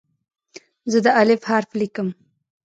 زه د "الف" حرف لیکم.